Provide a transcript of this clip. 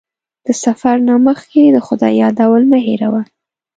د سفر نه مخکې د خدای یادول مه هېروه.